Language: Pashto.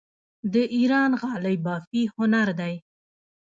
د ایران غالۍ بافي هنر دی.